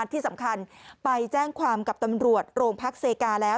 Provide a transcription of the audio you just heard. ที่สำคัญไปแจ้งความกับตำรวจโรงพักเซกาแล้ว